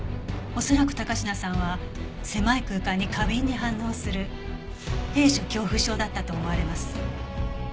恐らく高階さんは狭い空間に過敏に反応する閉所恐怖症だったと思われます。